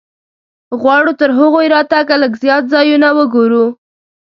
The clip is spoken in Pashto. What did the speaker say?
غواړو تر هغوی راتګه لږ زیات ځایونه وګورو.